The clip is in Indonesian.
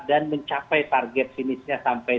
dan mencapai target finisnya sampai